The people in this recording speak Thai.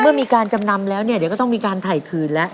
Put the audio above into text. เมื่อมีการจำนำแล้วเนี่ยเดี๋ยวก็ต้องมีการถ่ายคืนแล้ว